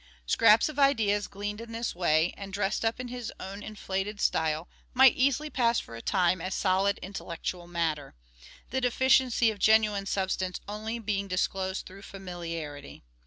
Scraps of ideas gleaned in speare." this way, and dressed up in his own inflated style, might easily pass for a time as solid intellectual matter ; the deficiency of genuine substance only being disclosed through familiarity.